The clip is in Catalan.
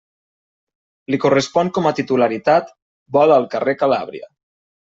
Li correspon com a titularitat, vol al carrer Calàbria.